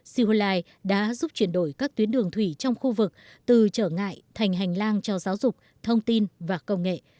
sihulai đã giúp chuyển đổi các tuyến đường thủy trong khu vực từ trở ngại thành hành lang cho giáo dục thông tin và công nghệ